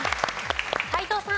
斎藤さん。